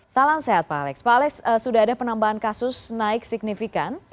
salam sehat pak alex pak alex sudah ada penambahan kasus naik signifikan